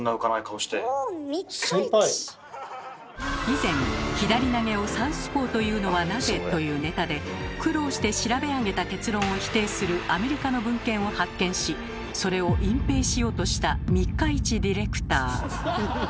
以前「左投げをサウスポーというのはなぜ？」というネタで苦労して調べ上げた結論を否定するアメリカの文献を発見しそれを隠蔽しようとした三日市ディレクター。